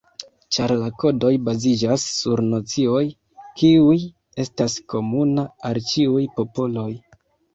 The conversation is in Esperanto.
Ĉar la kodoj baziĝas sur nocioj, kiuj estas komuna al ĉiuj popoloj.